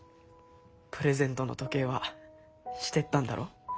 プレゼントの時計はしてったんだろ？